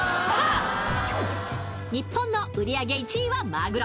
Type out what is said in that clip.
日本の売り上げ１位はまぐろ。